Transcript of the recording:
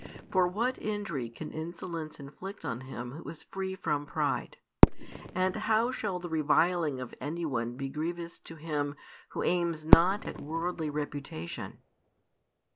For what injury can insolence inflict on him who is free from pride? And how shall the reviling of any one be grievous to him who aims not at worldly reputation?